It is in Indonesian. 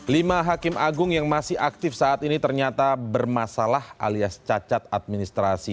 lima hakim agung yang masih aktif saat ini ternyata bermasalah alias cacat administrasi